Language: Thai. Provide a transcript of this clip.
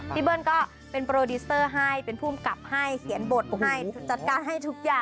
เบิ้ลก็เป็นโปรดิสเตอร์ให้เป็นภูมิกับให้เขียนบทให้จัดการให้ทุกอย่าง